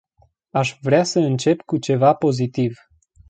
Aș vrea să încep cu ceva pozitiv.